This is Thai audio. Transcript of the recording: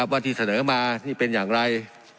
ว่าที่เสนอมานี่เป็นอย่างไร